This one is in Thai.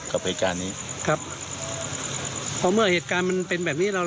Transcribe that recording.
กับเหตุการณ์นี้ครับเพราะเมื่อเหตุการณ์มันเป็นแบบนี้เรา